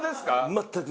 全く。